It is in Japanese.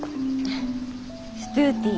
ストゥーティー。